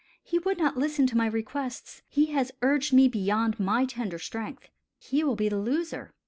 He would not listen to my requests. He has urged me beyond my tender strength. He will be the loser.